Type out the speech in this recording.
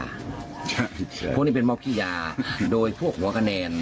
พวกนี้เป็นม็อบขี้ยาโดยพวกหัวคะแนน